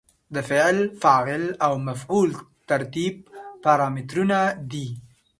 د فعل، فاعل او مفعول ترتیب پارامترونه دي.